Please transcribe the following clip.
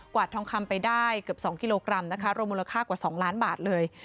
ทองคำไปได้เกือบ๒กิโลกรัมนะคะรวมมูลค่ากว่า๒ล้านบาทเลย